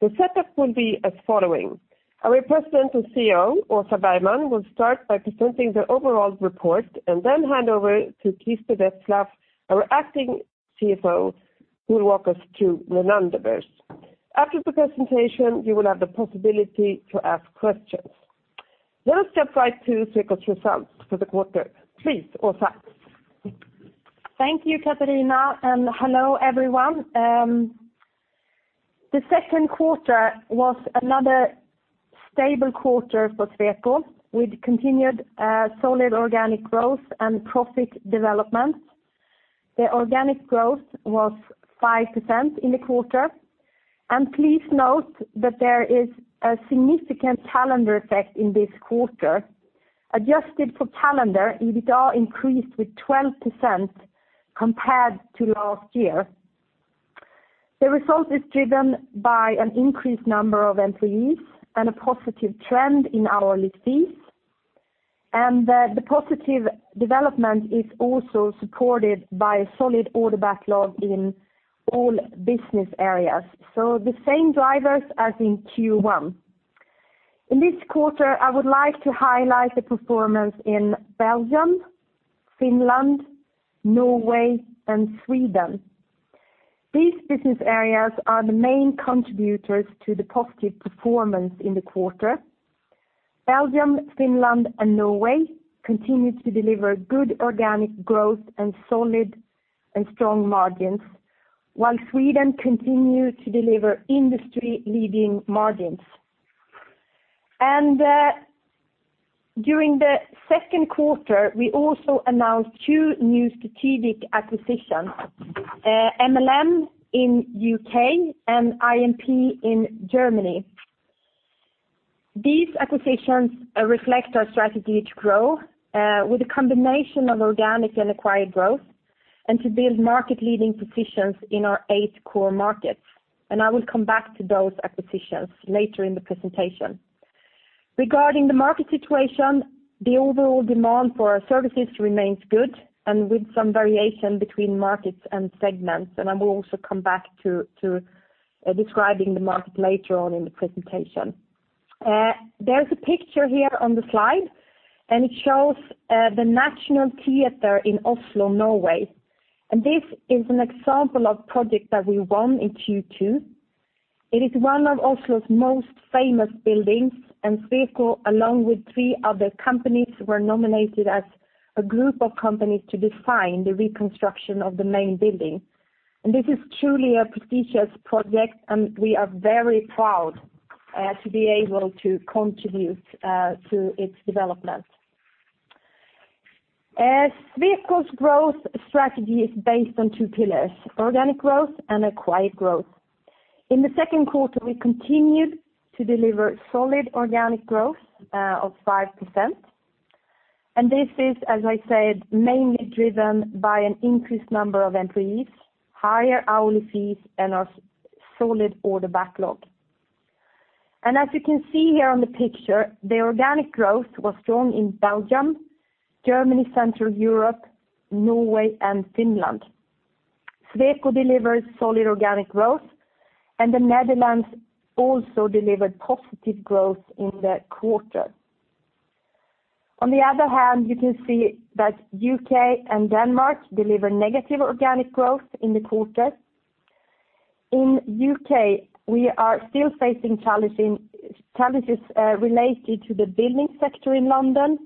The setup will be as following: our President and CEO, Åsa Bergman, will start by presenting the overall report and then hand over to Krister Wetzell, our Acting CFO, who will walk us through the numbers. After the presentation, you will have the possibility to ask questions. Let us step right to Sweco's results for the quarter. Please, Åsa. Thank you, Katarina, and hello, everyone. The second quarter was another stable quarter for Sweco, with continued, solid organic growth and profit development. The organic growth was 5% in the quarter, and please note that there is a significant calendar effect in this quarter. Adjusted for calendar, EBITA increased with 12% compared to last year. The result is driven by an increased number of employees and a positive trend in hourly fees, and, the positive development is also supported by a solid order backlog in all business areas, so the same drivers as in Q1. In this quarter, I would like to highlight the performance in Belgium, Finland, Norway, and Sweden. These business areas are the main contributors to the positive performance in the quarter. Belgium, Finland, and Norway continued to deliver good organic growth and solid and strong margins, while Sweden continued to deliver industry-leading margins. During the second quarter, we also announced two new strategic acquisitions, MLM in the U.K. and IMP GmbH in Germany. These acquisitions reflect our strategy to grow with a combination of organic and acquired growth, and to build market-leading positions in our eight core markets, and I will come back to those acquisitions later in the presentation. Regarding the market situation, the overall demand for our services remains good, with some variation between markets and segments, and I will also come back to describing the market later on in the presentation. There's a picture here on the slide, and it shows the National Theatre in Oslo, Norway, and this is an example of a project that we won in Q2. It is one of Oslo's most famous buildings, and Sweco, along with three other companies, were nominated as a group of companies to design the reconstruction of the main building. And this is truly a prestigious project, and we are very proud to be able to contribute to its development. As Sweco's growth strategy is based on two pillars: organic growth and acquired growth. In the second quarter, we continued to deliver solid organic growth of 5%, and this is, as I said, mainly driven by an increased number of employees, higher hourly fees, and a solid order backlog. And as you can see here on the picture, the organic growth was strong in Belgium, Germany, Central Europe, Norway, and Finland. Sweco delivered solid organic growth, and the Netherlands also delivered positive growth in the quarter. On the other hand, you can see that U.K. and Denmark deliver negative organic growth in the quarter. In U.K., we are still facing challenges related to the building sector in London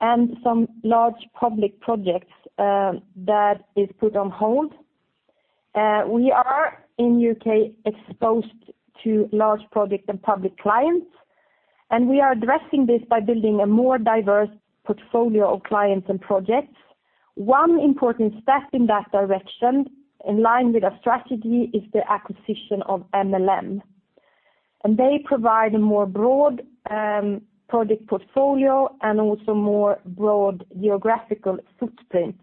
and some large public projects that is put on hold. We are in U.K. exposed to large projects and public clients, and we are addressing this by building a more diverse portfolio of clients and projects. One important step in that direction, in line with our strategy, is the acquisition of MLM, and they provide a more broad project portfolio and also more broad geographical footprint.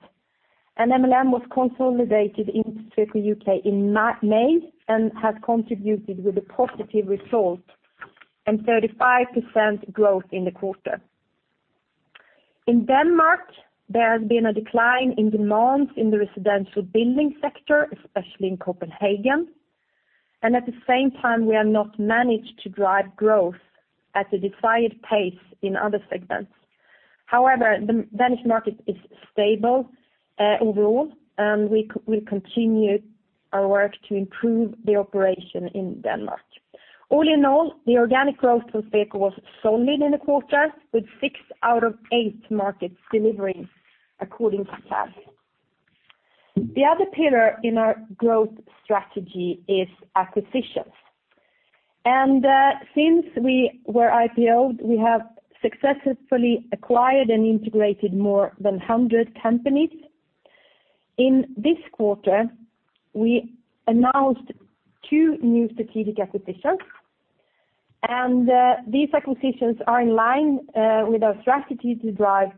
And MLM was consolidated into Sweco U.K. in May, and has contributed with a positive result and 35% growth in the quarter. In Denmark, there has been a decline in demand in the residential building sector, especially in Copenhagen, and at the same time, we have not managed to drive growth at the desired pace in other segments. However, the Danish market is stable, overall, and we continue our work to improve the operation in Denmark. All in all, the organic growth for Sweco was solid in the quarter, with 6 out of 8 markets delivering according to plan. The other pillar in our growth strategy is acquisitions. Since we were IPO'd, we have successfully acquired and integrated more than 100 companies. In this quarter, we announced two new strategic acquisitions, and these acquisitions are in line with our strategy to drive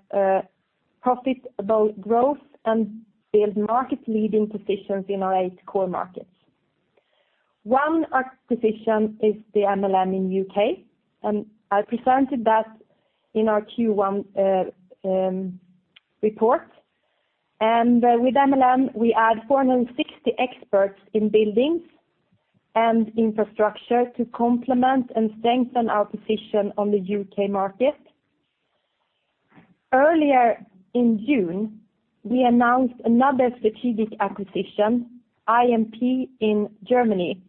profit, both growth and build market-leading positions in our 8 core markets. One acquisition is the MLM in U.K., and I presented that in our Q1 report. With MLM, we add 460 experts in buildings and infrastructure to complement and strengthen our position on the U.K. market. Earlier in June, we announced another strategic acquisition, IMP in Germany.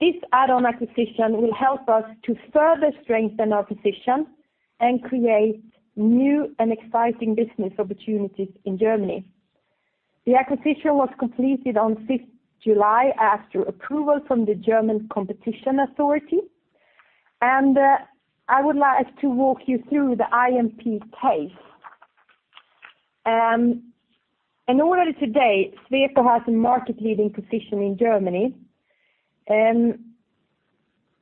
This add-on acquisition will help us to further strengthen our position and create new and exciting business opportunities in Germany. The acquisition was completed on fifth July after approval from the German competition authority, and I would like to walk you through the IMP case. To date, Sweco has a market leading position in Germany.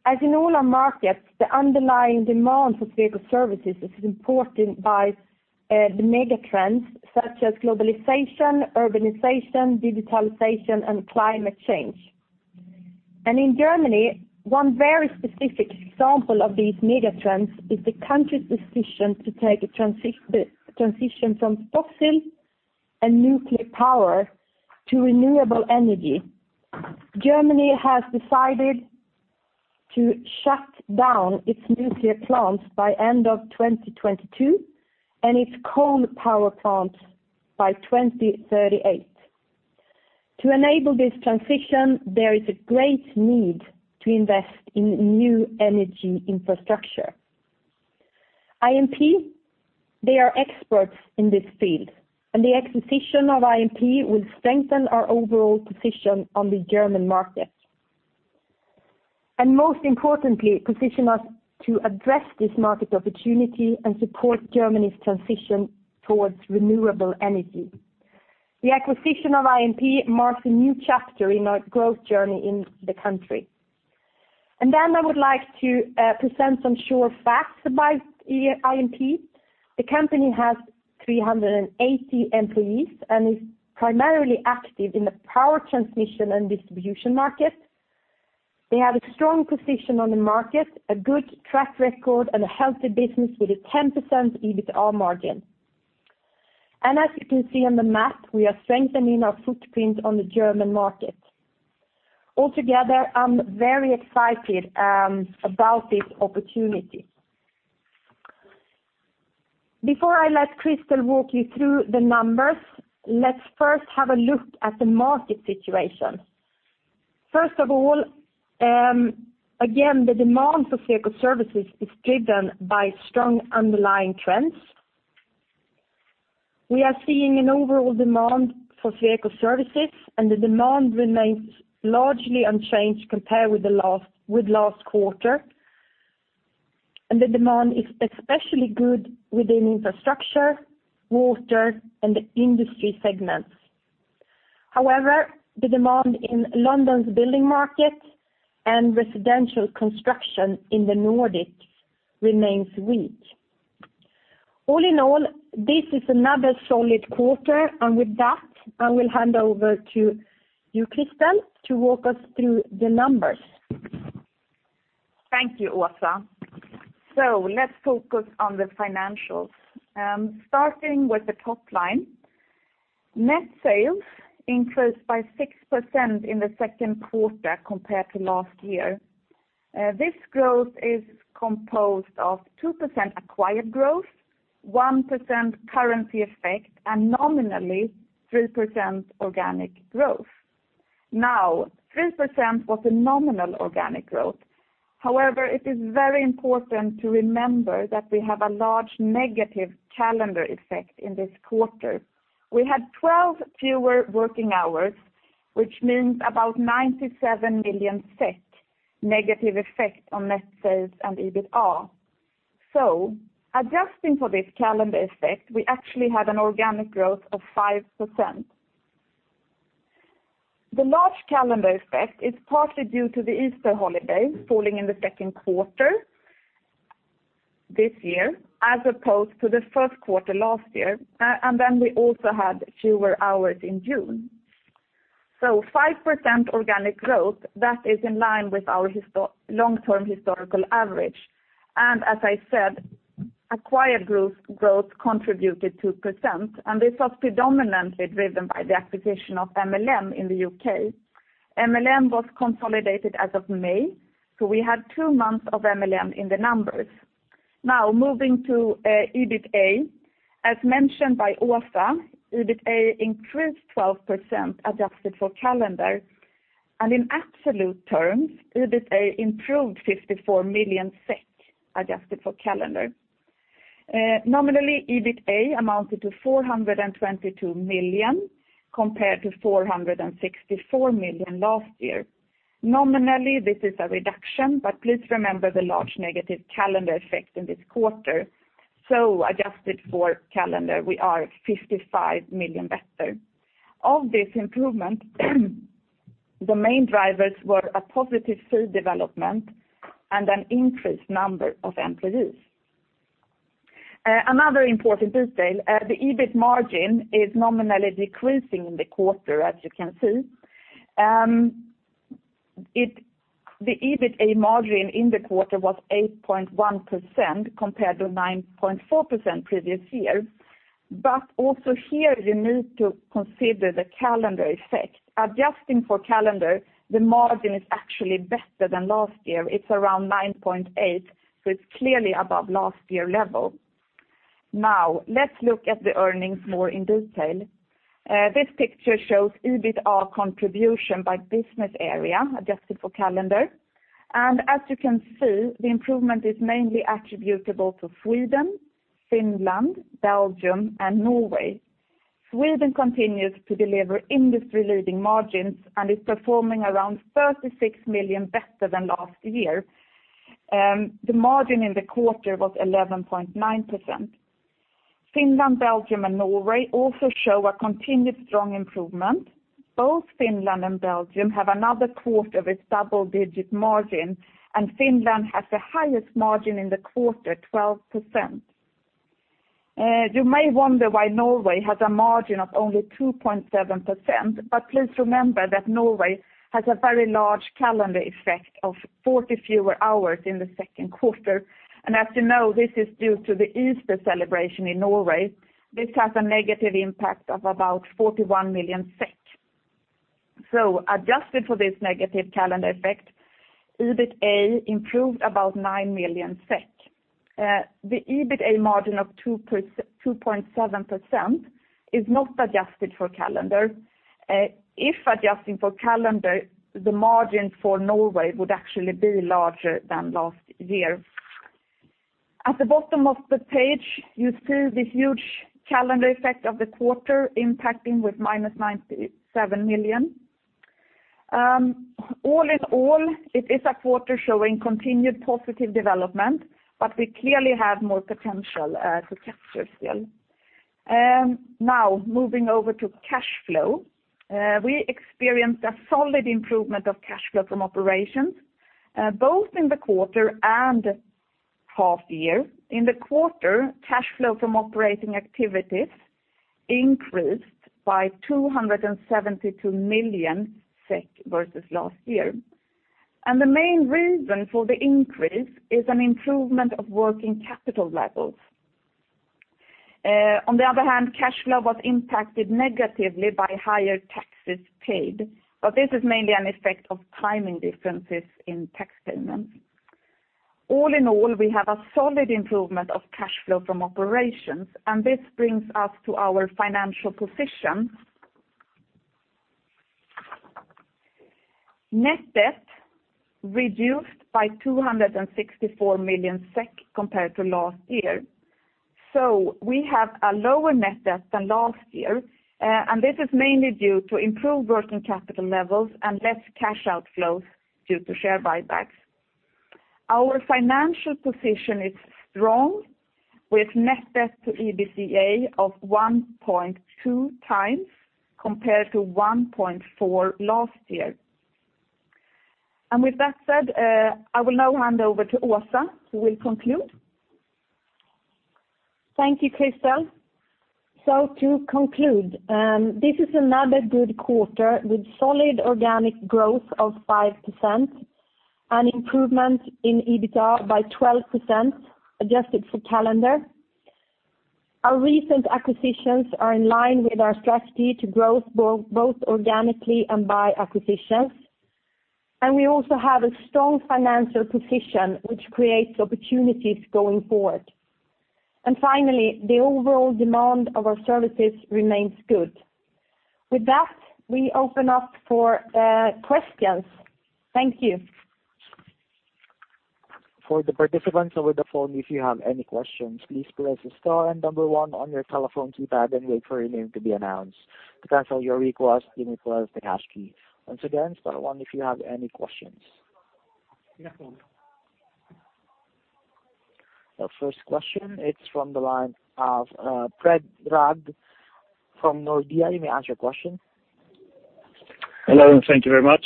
As in all our markets, the underlying demand for Sweco services is impacted by the mega trends such as globalization, urbanization, digitalization, and climate change. And in Germany, one very specific example of these mega trends is the country's decision to take a transition from fossil and nuclear power to renewable energy. Germany has decided to shut down its nuclear plants by end of 2022, and its coal power plants by 2038. To enable this transition, there is a great need to invest in new energy infrastructure. IMP, they are experts in this field, and the acquisition of IMP will strengthen our overall position on the German market. And most importantly, position us to address this market opportunity and support Germany's transition towards renewable energy. The acquisition of IMP marks a new chapter in our growth journey in the country. And then I would like to present some short facts about IMP. The company has 380 employees and is primarily active in the power transmission and distribution market. They have a strong position on the market, a good track record, and a healthy business with a 10% EBITA margin. And as you can see on the map, we are strengthening our footprint on the German market. Altogether, I'm very excited about this opportunity. Before I let Krister walk you through the numbers, let's first have a look at the market situation. First of all, again, the demand for Sweco services is driven by strong underlying trends. We are seeing an overall demand for Sweco services, and the demand remains largely unchanged compared with last quarter. And the demand is especially good within infrastructure, water, and the industry segments. However, the demand in London's building market and residential construction in the Nordics remains weak. All in all, this is another solid quarter, and with that, I will hand over to you, Krister, to walk us through the numbers. Thank you, Åsa. So let's focus on the financials. Starting with the top line, net sales increased by 6% in the second quarter compared to last year. This growth is composed of 2% acquired growth, 1% currency effect, and nominally, 3% organic growth. Now, 3% was a nominal organic growth. However, it is very important to remember that we have a large negative calendar effect in this quarter. We had 12 fewer working hours, which means about 97 million SEK negative effect on net sales and EBITA. So adjusting for this calendar effect, we actually had an organic growth of 5%. The large calendar effect is partly due to the Easter holiday falling in the second quarter this year, as opposed to the first quarter last year, and then we also had fewer hours in June. So 5% organic growth, that is in line with our long-term historical average. And as I said, acquired growth, growth contributed 2%, and this was predominantly driven by the acquisition of MLM in the UK. MLM was consolidated as of May, so we had two months of MLM in the numbers. Now, moving to EBITA. As mentioned by Åsa, EBITA increased 12%, adjusted for calendar, and in absolute terms, EBITA improved SEK 54 million, adjusted for calendar. Nominally, EBITA amounted to 422 million, compared to 464 million last year. Nominally, this is a reduction, but please remember the large negative calendar effect in this quarter. So adjusted for calendar, we are 55 million better. Of this improvement, the main drivers were a positive fee development and an increased number of employees. Another important detail, the EBIT margin is nominally decreasing in the quarter, as you can see. The EBITA margin in the quarter was 8.1% compared to 9.4% previous year. But also here, you need to consider the calendar effect. Adjusting for calendar, the margin is actually better than last year. It's around 9.8%, so it's clearly above last year level. Now, let's look at the earnings more in detail. This picture shows EBITA contribution by business area, adjusted for calendar. As you can see, the improvement is mainly attributable to Sweden, Finland, Belgium, and Norway. Sweden continues to deliver industry-leading margins and is performing around 36 million better than last year. The margin in the quarter was 11.9%. Finland, Belgium, and Norway also show a continued strong improvement. Both Finland and Belgium have another quarter with double-digit margin, and Finland has the highest margin in the quarter, 12%. You may wonder why Norway has a margin of only 2.7%, but please remember that Norway has a very large calendar effect of 40 fewer hours in the second quarter. And as you know, this is due to the Easter celebration in Norway. This has a negative impact of about 41 million SEK. So adjusted for this negative calendar effect, EBITA improved about 9 million SEK. The EBITA margin of 2.7% is not adjusted for calendar. If adjusting for calendar, the margin for Norway would actually be larger than last year. At the bottom of the page, you see this huge calendar effect of the quarter impacting with -97 million. All in all, it is a quarter showing continued positive development, but we clearly have more potential to capture still. Now, moving over to cash flow. We experienced a solid improvement of cash flow from operations, both in the quarter and half year. In the quarter, cash flow from operating activities increased by 272 million SEK versus last year. The main reason for the increase is an improvement of working capital levels. On the other hand, cash flow was impacted negatively by higher taxes paid, but this is mainly an effect of timing differences in tax payments. All in all, we have a solid improvement of cash flow from operations, and this brings us to our financial position. Net debt reduced by 264 million SEK compared to last year. So we have a lower net debt than last year, and this is mainly due to improved working capital levels and less cash outflows due to share buybacks. Our financial position is strong, with net debt to EBITA of 1.2 times compared to 1.4 last year. With that said, I will now hand over to Åsa, who will conclude. Thank you, Krister. So to conclude, this is another good quarter with solid organic growth of 5%, an improvement in EBITA by 12%, adjusted for calendar. Our recent acquisitions are in line with our strategy to growth both, both organically and by acquisitions. And we also have a strong financial position, which creates opportunities going forward. And finally, the overall demand of our services remains good. With that, we open up for questions. Thank you. For the participants over the phone, if you have any questions, please press star and number one on your telephone keypad and wait for your name to be announced. To cancel your request, you may press the hash key. Once again, star one if you have any questions. Our first question, it's from the line of Predrag from Nordea. You may ask your question. Hello, and thank you very much.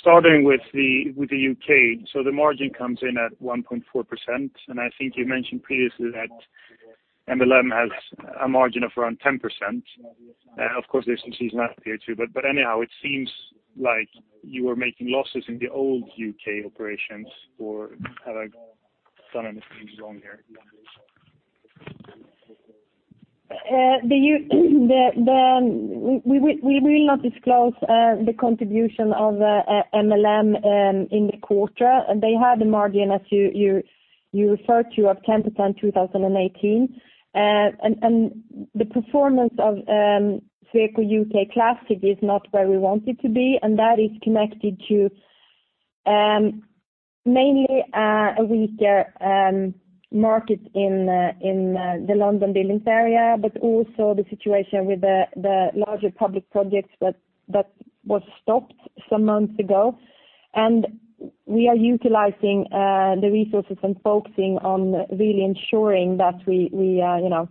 Starting with the U.K., so the margin comes in at 1.4%, and I think you mentioned previously that MLM has a margin of around 10%. Of course, this is not here too, but anyhow, it seems like you are making losses in the old U.K. operations, or have I done anything wrong here? We will not disclose the contribution of MLM in the quarter. They had a margin, as you referred to, of 10%, 2018. The performance of Sweco U.K. Classic is not where we want it to be, and that is connected to mainly a weaker market in the London building area, but also the situation with the larger public projects that was stopped some months ago. We are utilizing the resources and focusing on really ensuring that we are, you know,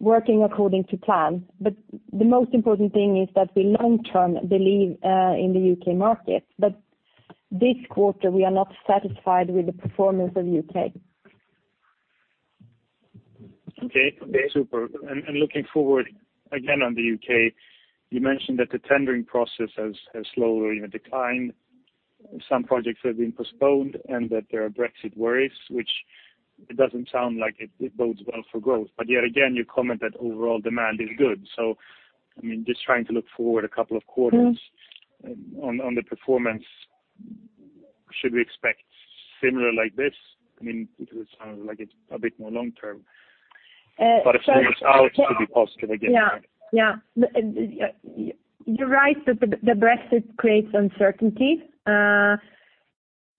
working according to plan. But the most important thing is that we long-term believe in the U.K. market, but this quarter, we are not satisfied with the performance of U.K. Okay, okay, super. And looking forward again on the U.K., you mentioned that the tendering process has slowly, you know, declined. Some projects have been postponed and that there are Brexit worries, which it doesn't sound like it bodes well for growth. But yet again, you comment that overall demand is good. So I mean, just trying to look forward a couple of quarters- Mm. On the performance, should we expect similar like this? I mean, because it sounds like it's a bit more long term. Uh, so- But if it works out, it could be positive again. Yeah, yeah. You're right that the Brexit creates uncertainty.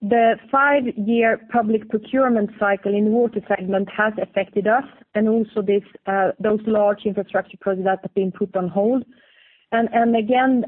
The five-year public procurement cycle in water segment has affected us, and also those large infrastructure projects that have been put on hold. And again,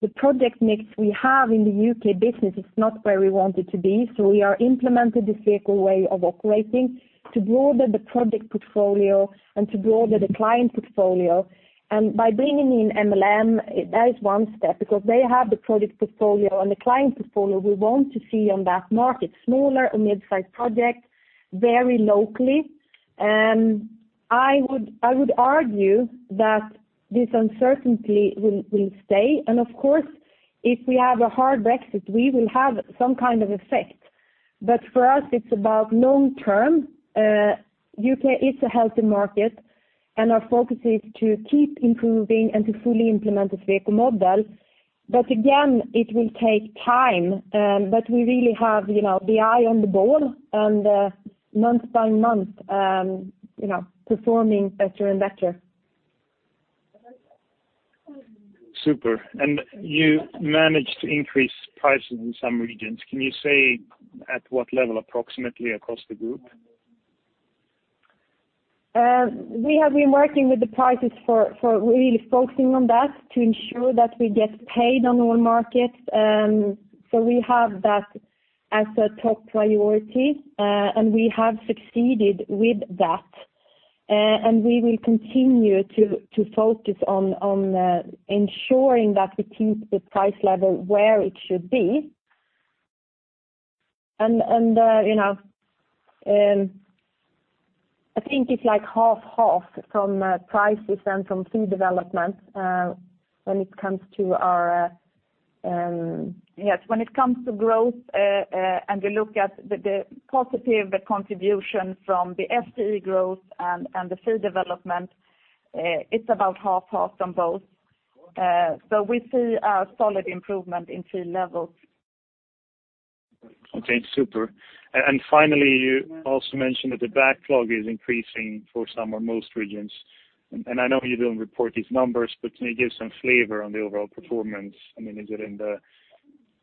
the project mix we have in the UK business is not where we want it to be, so we are implementing the Sweco way of operating, to broaden the project portfolio and to broaden the client portfolio. And by bringing in MLM, that is one step, because they have the project portfolio and the client portfolio we want to see on that market: smaller and mid-sized projects, very locally. I would argue that this uncertainty will stay, and of course, if we have a hard Brexit, we will have some kind of effect. But for us, it's about long term. U.K. is a healthy market, and our focus is to keep improving and to fully implement the Sweco model. But again, it will take time, but we really have, you know, the eye on the ball and, month by month, you know, performing better and better. Super. You managed to increase prices in some regions. Can you say at what level, approximately, across the group? We have been working with the prices for really focusing on that, to ensure that we get paid on all markets. So we have that as a top priority, and we have succeeded with that. And we will continue to focus on ensuring that we keep the price level where it should be. And, you know, I think it's like half/half from prices and from fee development, when it comes to our... Yes, when it comes to growth, and we look at the positive contribution from the FTE growth and the fee development, it's about half/half from both. So we see a solid improvement in fee levels. Okay, super. And finally, you also mentioned that the backlog is increasing for some or most regions. And I know you don't report these numbers, but can you give some flavor on the overall performance? I mean, is it in the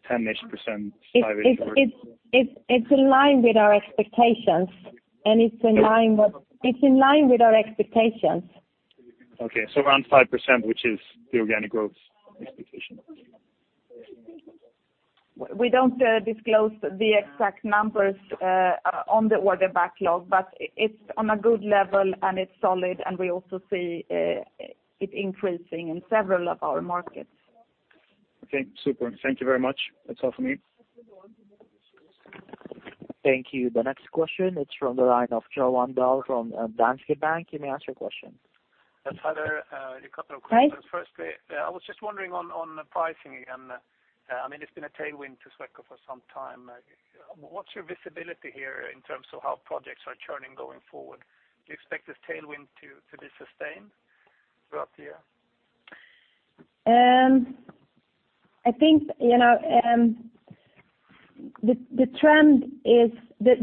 10%-ish, 5%-ish? It's in line with our expectations, and it's in line with- Yep. It's in line with our expectations. Okay, so around 5%, which is the organic growth expectation. We don't disclose the exact numbers on the order backlog, but it's on a good level, and it's solid, and we also see it increasing in several of our markets. Okay, super. Thank you very much. That's all for me. Thank you. The next question is from the line of Johan Dahl from Danske Bank. You may ask your question. Hi there, a couple of questions. Hi. Firstly, I was just wondering on the pricing again. I mean, it's been a tailwind to Sweco for some time. What's your visibility here in terms of how projects are churning going forward? Do you expect this tailwind to be sustained throughout the year? I think, you know, the trend is that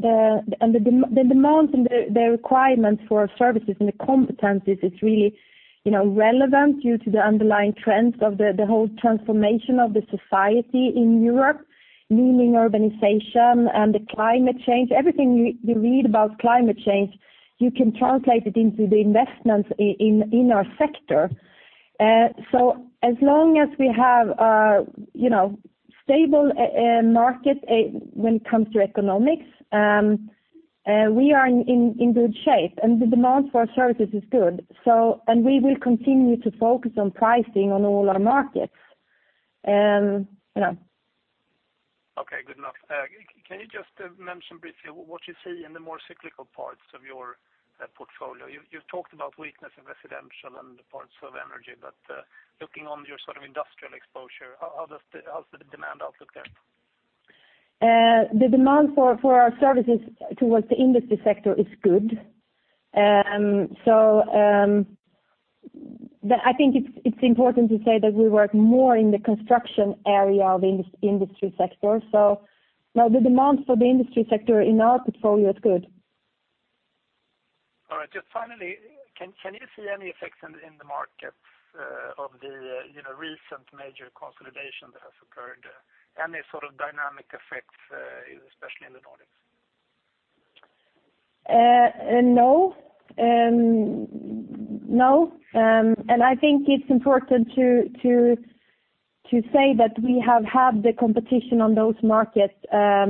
the demand and the requirements for our services and the competencies is really, you know, relevant due to the underlying trends of the whole transformation of the society in Europe, meaning urbanization and the climate change. Everything you read about climate change, you can translate it into the investments in our sector. So as long as we have a, you know, stable market when it comes to economics, we are in good shape, and the demand for our services is good. And we will continue to focus on pricing on all our markets. Yeah. Okay, good enough. Can you just mention briefly what you see in the more cyclical parts of your portfolio? You've talked about weakness in residential and parts of energy, but looking on your sort of industrial exposure, how's the demand outlook there? The demand for our services towards the industry sector is good. I think it's important to say that we work more in the construction area of industry sector, so no, the demand for the industry sector in our portfolio is good. All right. Just finally, can you see any effects in the markets of the, you know, recent major consolidation that has occurred? Any sort of dynamic effects, especially in the Nordics? No. No, and I think it's important to say that we have had the competition on those markets for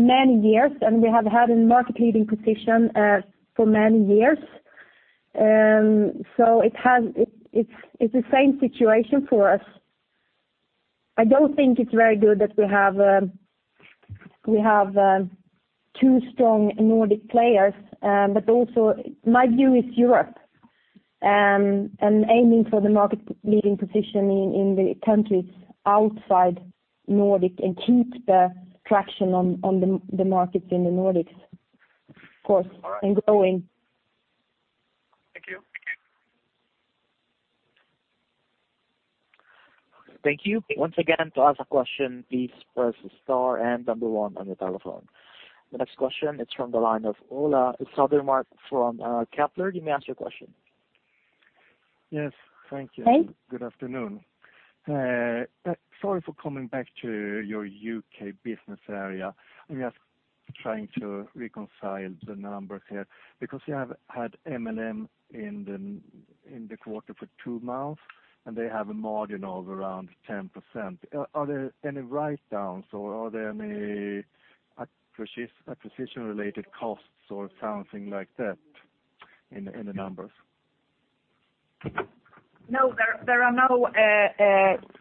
many years, and we have had a market-leading position for many years. So it's the same situation for us. I don't think it's very good that we have two strong Nordic players. But also my view is Europe, and aiming for the market-leading position in the countries outside the Nordics and keep the traction on the markets in the Nordics, of course, and growing. All right. Thank you. Thank you. Once again, to ask a question, please press star and number one on your telephone. The next question is from the line of Ola Södermark from Kepler. You may ask your question. Yes, thank you. Hey. Good afternoon. Sorry for coming back to your U.K. business area. I'm just trying to reconcile the numbers here, because you have had MLM in the quarter for two months, and they have a margin of around 10%. Are there any write-downs or are there any acquisition-related costs or something like that in the numbers? No, there are no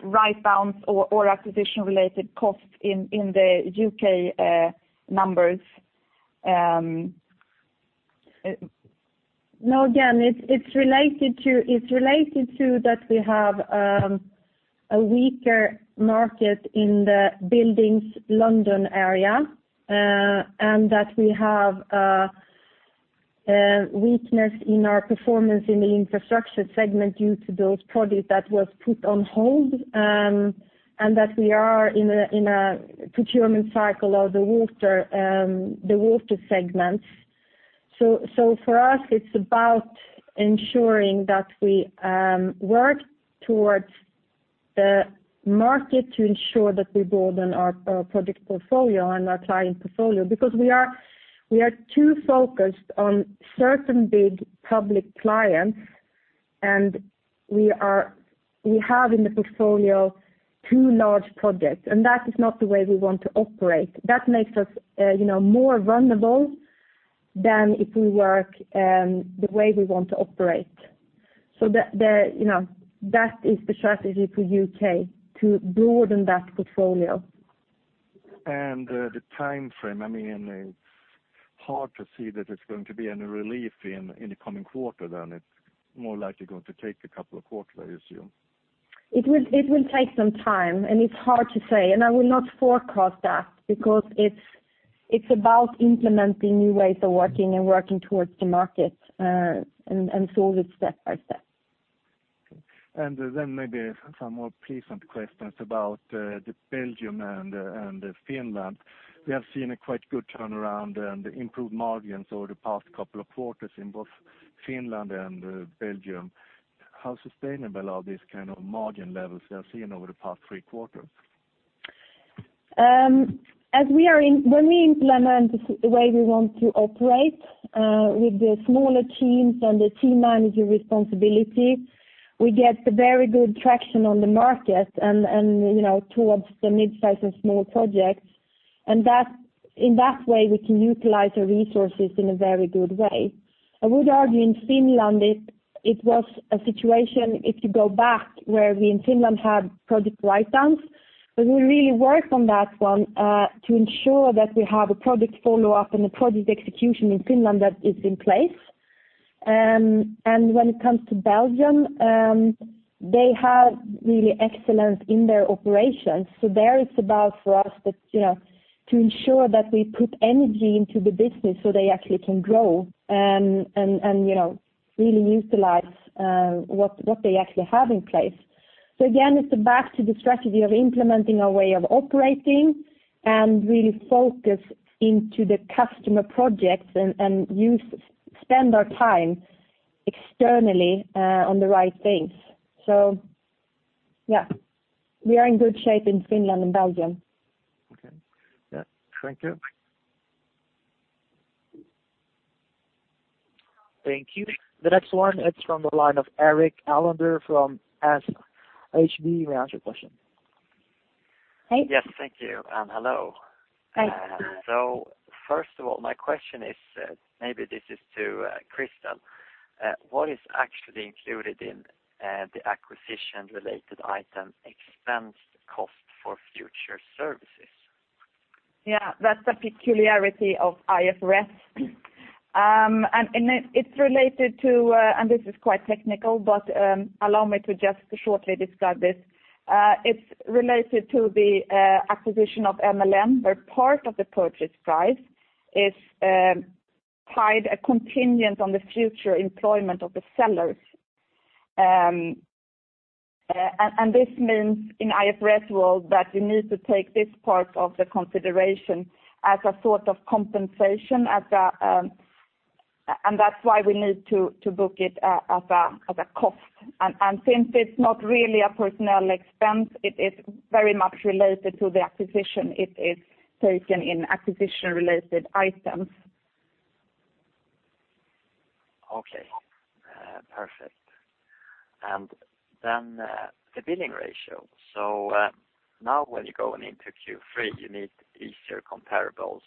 write downs or acquisition-related costs in the U.K. numbers. No, again, it's related to that we have a weaker market in the buildings London area, and that we have a weakness in our performance in the infrastructure segment due to those projects that was put on hold, and that we are in a procurement cycle of the water, the water segments. So for us, it's about ensuring that we work towards the market to ensure that we broaden our product portfolio and our client portfolio. Because we are too focused on certain big public clients, and we have in the portfolio two large projects, and that is not the way we want to operate. That makes us, you know, more vulnerable than if we work the way we want to operate. So, you know, that is the strategy for U.K., to broaden that portfolio. The time frame, I mean, it's hard to see that it's going to be any relief in the coming quarter. Then it's more likely going to take a couple of quarters, I assume. It will, it will take some time, and it's hard to say, and I will not forecast that because it's, it's about implementing new ways of working and working towards the market, and, and so it's step by step. And then maybe some more pleasant questions about Belgium and Finland. We have seen a quite good turnaround and improved margins over the past couple of quarters in both Finland and Belgium. How sustainable are these kind of margin levels we have seen over the past three quarters? As we are when we implement the way we want to operate with the smaller teams and the team manager responsibility, we get a very good traction on the market and, and, you know, towards the mid-size and small projects. And that, in that way, we can utilize our resources in a very good way. I would argue in Finland, it, it was a situation, if you go back, where we in Finland had project write-downs, but we really worked on that one to ensure that we have a project follow-up and a project execution in Finland that is in place. And when it comes to Belgium, they have really excellent in their operations. So there it's about for us that, you know, to ensure that we put energy into the business so they actually can grow, and, you know, really utilize what they actually have in place. So again, it's back to the strategy of implementing our way of operating and really focus into the customer projects and spend our time externally on the right things. So yeah, we are in good shape in Finland and Belgium. Okay. Yeah. Thank you. Thank you. The next one is from the line of Erik Elander from SHB. You may ask your question. Hey. Yes, thank you, and hello. Hi. So first of all, my question is, maybe this is to Krister. What is actually included in the acquisition-related item, expense cost for future services? Yeah, that's a peculiarity of IFRS. And it, it's related to, and this is quite technical, but allow me to just shortly describe this. It's related to the acquisition of MLM, where part of the purchase price is tied as contingent on the future employment of the sellers. And this means in IFRS world, that you need to take this part of the consideration as a sort of compensation as a... And that's why we need to book it as a cost. And since it's not really a personnel expense, it is very much related to the acquisition. It is taken in acquisition-related items. Okay, perfect. And then, the billing ratio. So, now when you go into Q3, you need easier comparables,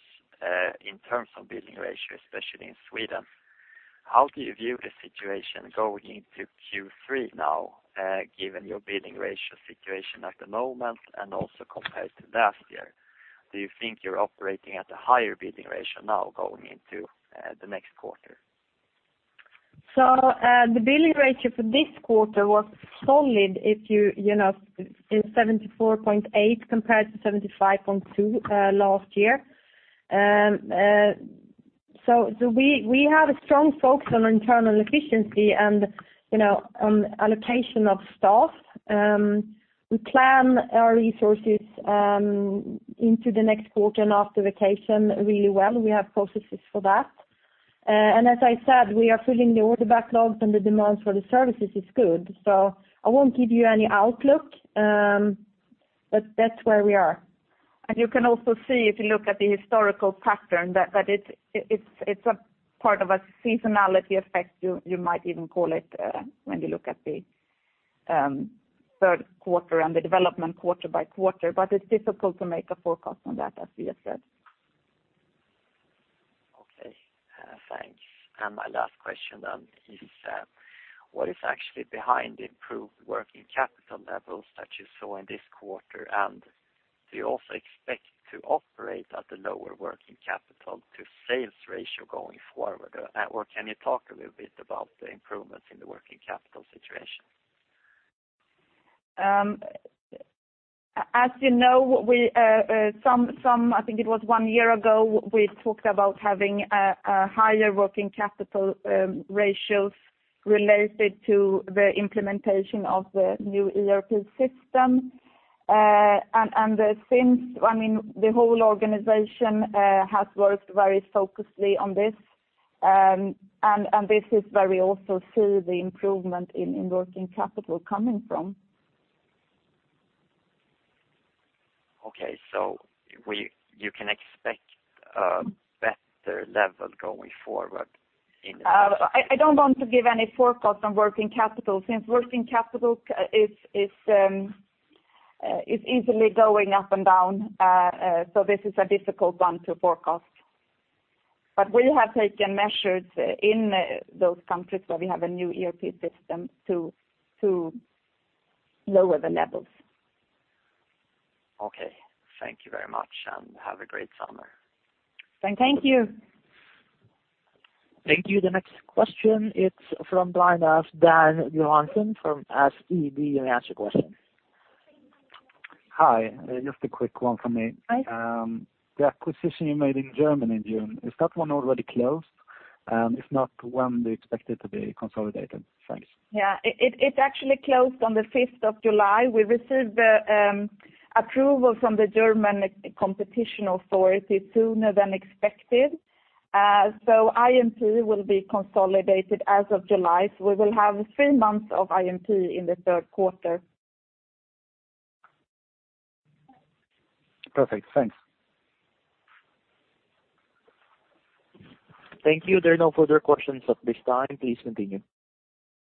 in terms of billing ratio, especially in Sweden. How do you view the situation going into Q3 now, given your billing ratio situation at the moment and also compared to last year? Do you think you're operating at a higher billing ratio now going into, the next quarter? The billing ratio for this quarter was solid, if you, you know, it's 74.8 compared to 75.2 last year. We have a strong focus on internal efficiency and, you know, on allocation of staff. We plan our resources into the next quarter and after vacation really well. We have processes for that. And as I said, we are filling the order backlogs and the demand for the services is good. I won't give you any outlook, but that's where we are. You can also see, if you look at the historical pattern, that it's a part of a seasonality effect, you might even call it, when you look at the third quarter and the development quarter by quarter, but it's difficult to make a forecast on that, as we have said. Okay, thanks. And my last question then is, what is actually behind the improved working capital levels that you saw in this quarter? And do you also expect to operate at a lower working capital to sales ratio going forward? Or can you talk a little bit about the improvements in the working capital situation? As you know, I think it was one year ago, we talked about having a higher working capital ratios related to the implementation of the new ERP system. And since, I mean, the whole organization has worked very focusedly on this, and this is where we also see the improvement in working capital coming from. Okay, so you can expect a better level going forward in the- I don't want to give any forecast on working capital, since working capital is easily going up and down. So this is a difficult one to forecast. But we have taken measures in those countries where we have a new ERP system to lower the levels. Okay, thank you very much, and have a great summer. Thank you. Thank you. The next question is from the line of Dan Johansson from SEB. You may ask your question. Hi, just a quick one from me. Hi. The acquisition you made in Germany in June, is that one already closed? If not, when do you expect it to be consolidated? Thanks. Yeah, it actually closed on the fifth of July. We received the approval from the German competition authority sooner than expected. So IMP will be consolidated as of July. So we will have three months of IMP in the third quarter. Perfect. Thanks. Thank you. There are no further questions at this time. Please continue.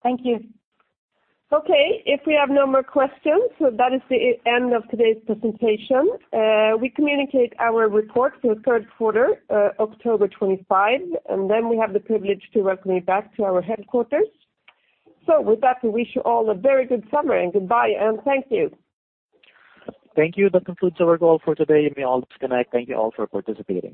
Thank you. Okay, if we have no more questions, so that is the end of today's presentation. We communicate our report for the third quarter, October twenty-five, and then we have the privilege to welcome you back to our headquarters. So with that, we wish you all a very good summer, and goodbye, and thank you. Thank you. That concludes our call for today. You may all disconnect. Thank you all for participating.